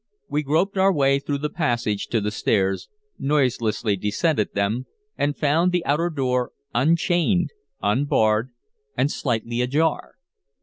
We groped our way through the passage to the stairs, noiselessly descended them, and found the outer door unchained, unbarred, and slightly ajar.